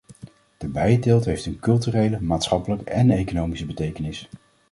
De bijenteelt heeft een culturele, maatschappelijke en economische betekenis.